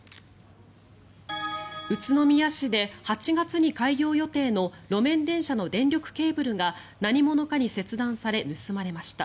宇都宮市で８月に開業予定の路面電車の電力ケーブルが何者かに切断され盗まれました。